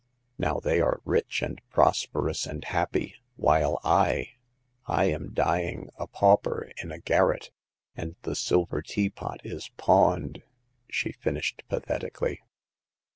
Now they are rich and prosperous and happy, while I— I am dying a pauper in a garret. And the silver teapot is pawned," she finished pathetically.